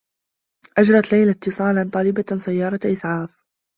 أجرت ليلى اتّصالا طالبة سيّارة إسعاف.